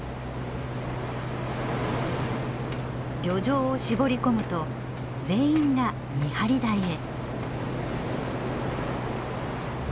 漁場を絞り込むと全員が見張り台へ。